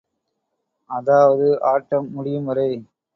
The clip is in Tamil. அதாவது ஆட்டம் முடியும் வரை.